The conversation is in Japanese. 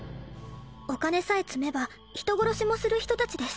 お金さえ積めば人殺しもする人達です